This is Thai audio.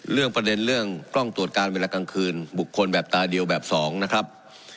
เรื่องประเด็นเรื่องกล้องตรวจการเวลากลางคืนบุคคลแบบตาเดียวแบบสองนะครับ